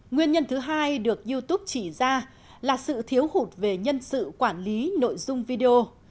nguyên nhân thứ hai được youtube chỉ ra là sự thiếu hụt về nhân sự quản lý nội dung video